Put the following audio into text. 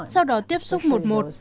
sau đó tiếp xúc một một